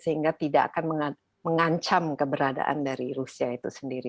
sehingga tidak akan mengancam keberadaan dari rusia itu sendiri